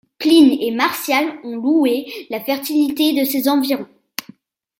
Pline et Martial ont loué la fertilité de ses environs.